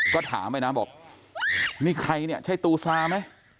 ก็ถามไปนะบอกนี่ใครเนี่ยใช่ตูซาไหม